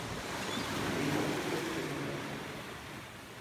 Biya kuchid cheʼe bínuu.